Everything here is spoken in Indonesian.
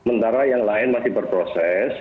sementara yang lain masih berproses